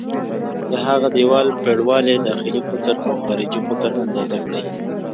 د هغه د دیوال پرېړوالی، داخلي قطر او خارجي قطر اندازه کړئ.